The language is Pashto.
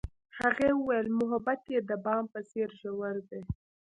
هغې وویل محبت یې د بام په څېر ژور دی.